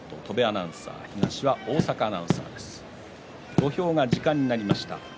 土俵が時間になりました。